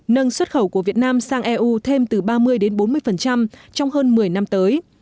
nâng xuất khẩu của việt nam sang eu thêm từ ba mươi bốn mươi trong hơn một mươi năm tới